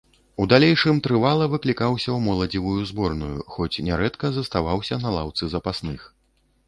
У далейшым трывала выклікаўся ў моладзевую зборную, хоць нярэдка заставаўся на лаўцы запасных.